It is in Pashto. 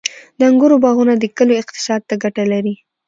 • د انګورو باغونه د کلیو اقتصاد ته ګټه لري.